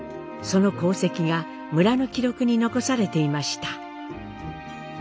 その功績が村の記録に残されていました。